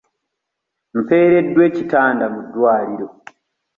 Mpereddwa ekitanda mu ddwaliro.